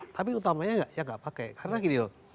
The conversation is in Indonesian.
tapi utamanya enggak yang enggak pakai karena gini loh